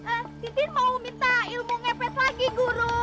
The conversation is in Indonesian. eh titin mau minta ilmu ngepet lagi guru